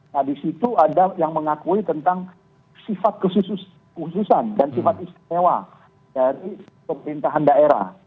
nah di situ ada yang mengakui tentang sifat khususan dan sifat istimewa dari pemerintahan daerah